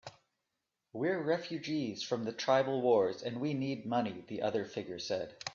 "We're refugees from the tribal wars, and we need money," the other figure said.